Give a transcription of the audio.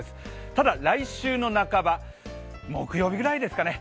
ただ、来週の半ば、木曜日ぐらいですかね